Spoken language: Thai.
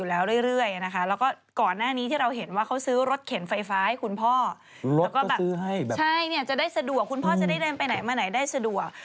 แล้วก็แบบใช่จะได้สะดวกคุณพ่อจะได้เต็มไปไหนมาไหนได้สะดวก